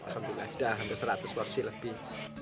sudah hampir seratus porsi lebih